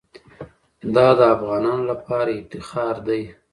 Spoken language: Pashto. دا د افغانانو لپاره افتخار دی.